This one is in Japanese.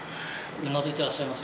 うなずいてらっしゃいますが？